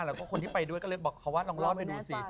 แล้วก็คนที่ไปด้วยก็เลยบอกเขาว่าลองรอดไปดูสิ